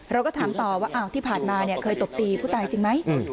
เราก็ถามต่อว่าที่ผ่านมาเคยตบตีผู้ตายจริงไหม